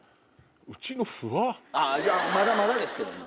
あぁいやまだまだですけども。